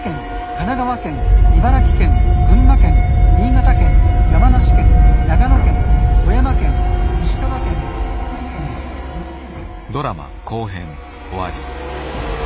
神奈川県茨城県群馬県新潟県山梨県長野県富山県石川県福井県岐阜県」。